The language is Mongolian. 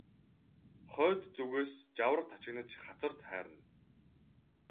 Хойд зүгээс жавар тачигнаж хацар хайрна.